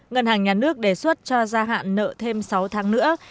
ngân hàng nhà nước đề xuất cho gia hạn nợ thêm sáu tháng nữa